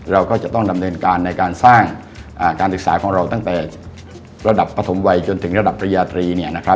เราก็จะต้องดำเนินการในการสร้างการศึกษาของเราตั้งแต่ระดับปฐมวัยจนถึงระดับปริญญาตรี